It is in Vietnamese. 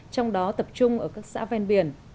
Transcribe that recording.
trong đó tập trung ở các xã văn văn